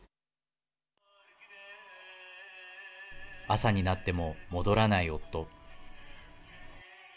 朝になっても戻らない夫。